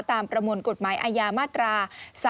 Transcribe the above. ตามประมวลกฎหมายออยามาตรา๓๗๗